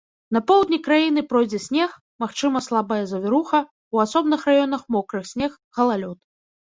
На поўдні краіны пройдзе снег, магчымая слабая завіруха, у асобных раёнах мокры снег, галалёд.